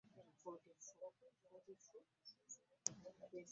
Lwaki mugenda nga temungambye!